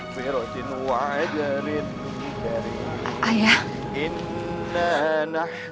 suara itu itu suara sahid